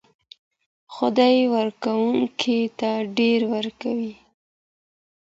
خدای ورکوونکي ته ډېر ورکوي.